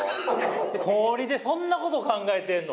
高２でそんなこと考えてんの？